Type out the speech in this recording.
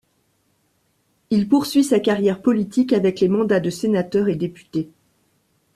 Il poursuit sa carrière politique avec les mandats de sénateur et député.